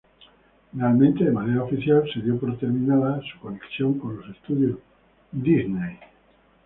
Finalmente, de manera oficial se dio por terminada su conexión con los estudios Disney.